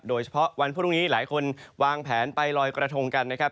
วันพรุ่งนี้หลายคนวางแผนไปลอยกระทงกันนะครับ